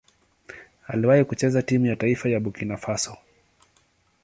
Aliwahi kucheza timu ya taifa ya Burkina Faso.